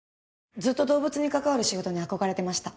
ずっと動物に関わる仕事に憧れてました。